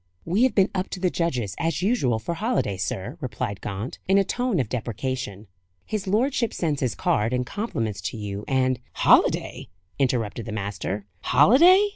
"We have been up to the judges, as usual, for holiday, sir," replied Gaunt, in a tone of deprecation. "His lordship sends his card and compliments to you, and " "Holiday!" interrupted the master. "Holiday!"